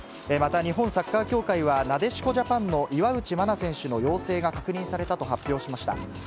また日本サッカー協会はなでしこジャパンの岩渕真奈選手の陽性が確認されたと発表しました。